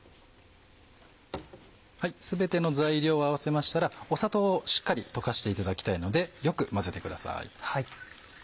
全ての材料を合わせましたら砂糖をしっかり溶かしていただきたいのでよく混ぜてください。